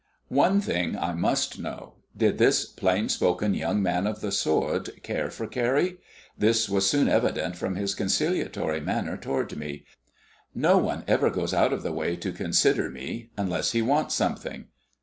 One thing I must know. Did this plain spoken young man of the sword care for Carrie? This was soon evident from his conciliatory manner toward me. No one ever goes out of the way to consider me unless he wants something.